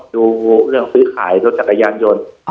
ดูเรื่องซื้อขายรถจักรยานยนต์